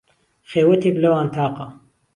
خێوهتێک لهوان تاقه